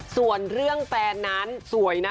ส่วนเรื่องแฟนนั้นสวยนะ